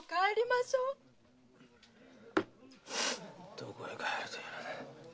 どこへ帰るというのだ。